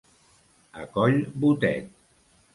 A coll botet.